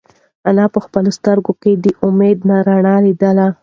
انا په خپلو سترگو کې د امید رڼا لیدله.